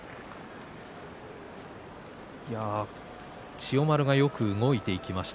千代丸がよく動いていきました。